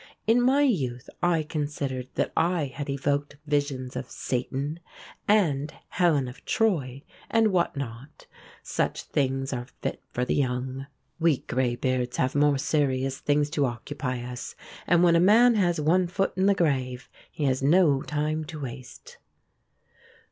In my youth I considered that I had evoked visions of Satan and Helen of Troy, and what not such things are fit for the young. We greybeards have more serious things to occupy us, and when a man has one foot in the grave, he has no time to waste."